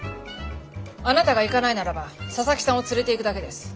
あなたが行かないならば佐々木さんを連れていくだけです。